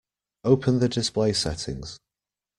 Open the display settings.